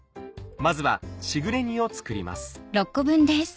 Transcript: まずはしぐれ煮を作ります。